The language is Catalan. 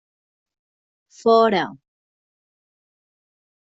Fora!